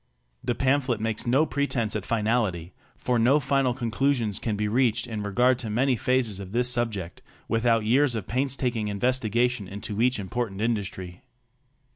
The pamphlet makes no pretense at finality, for no final con clusions can be reached in regard to many phases of this subject without years of painstaking investigation into each important industry.